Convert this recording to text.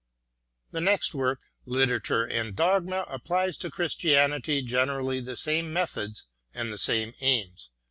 The next work, "Literature and Dogma," applies to Christianity generally the same methods and the same aims.